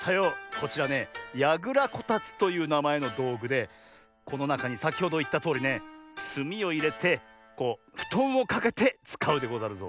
こちらね「やぐらこたつ」というなまえのどうぐでこのなかにさきほどいったとおりねすみをいれてこうふとんをかけてつかうでござるぞ。